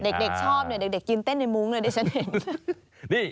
เด็กชอบเนี่ยเดินเกรงเต้นเกี่ยวในมุ้งเลย